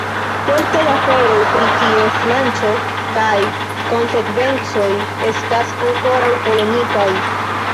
Kelkaj aferoj pri ties lanĉo kaj konsekvencoj estas ankoraŭ polemikaj.